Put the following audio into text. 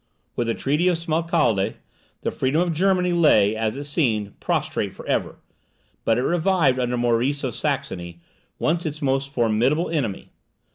With the treaty of Smalcalde the freedom of Germany lay, as it seemed, prostrate for ever; but it revived under Maurice of Saxony, once its most formidable enemy.